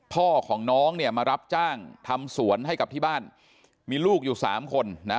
พ่อของน้องเนี่ยมารับจ้างทำสวนให้กับที่บ้านมีลูกอยู่สามคนนะ